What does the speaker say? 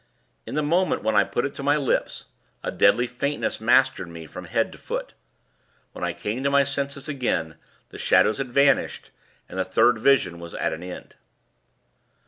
In the moment when I put it to my lips, a deadly faintness mastered me from head to foot. When I came to my senses again, the Shadows had vanished, and the third vision was at an end.